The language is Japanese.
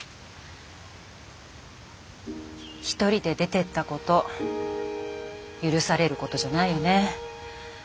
１人で出ていったこと許されることじゃないよね。